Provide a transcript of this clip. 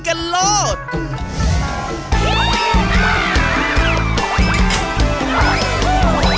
กันลุยกันโลศ